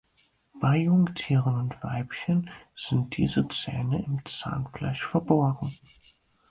Bei Jungtieren und Weibchen sind diese Zähne im Zahnfleisch verborgen.